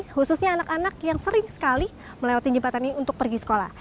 khususnya anak anak yang sering sekali melewati jembatan ini untuk pergi sekolah